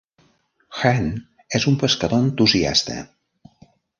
Hearn és un pescador entusiasta.